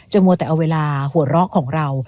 มัวแต่เอาเวลาหัวเราะของเรา